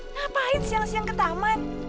ngapain siang siang ke taman